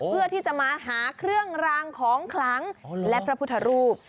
เพื่อที่จะมาหาเครื่องรางของคลังและพระพุทธรูป